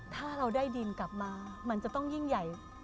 ถ้าเราได้ดินกลับมามันจะต้องยิ่งใหญ่